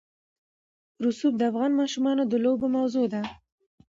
رسوب د افغان ماشومانو د لوبو موضوع ده.